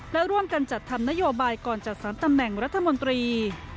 และร่วมกันจัดทำนโยบายก่อนจัดสรรตำแหน่งรัฐมนตรี